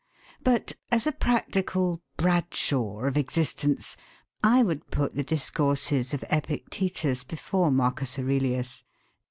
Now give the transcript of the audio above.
But as a practical 'Bradshaw' of existence, I would put the discourses of Epictetus before M. Aurelius.